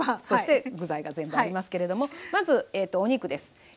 そして具材が全部ありますけれどもまずお肉です。